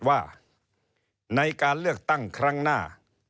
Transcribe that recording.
ว่าในการเลือกตั้งครั้งหน้า